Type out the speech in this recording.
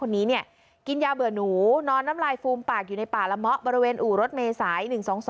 มีปากอยู่ในป่าระมะบริเวณอู่รถเมษาย๑๒๒